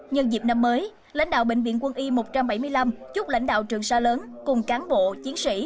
nhân dịp năm mới lãnh đạo bệnh viện quân y một trăm bảy mươi năm chúc lãnh đạo trường sa lớn cùng cán bộ chiến sĩ